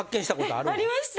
ありました！